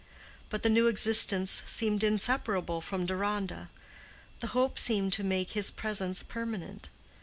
But the new existence seemed inseparable from Deronda: the hope seemed to make his presence permanent.